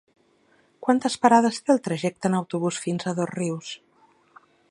Quantes parades té el trajecte en autobús fins a Dosrius?